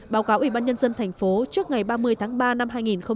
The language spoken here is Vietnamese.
báo cáo ủy ban nhân dân thành phố trước ngày ba mươi tháng ba năm hai nghìn hai mươi